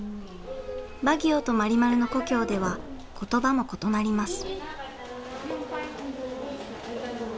バギオとマリマルの故郷では言葉も異なります。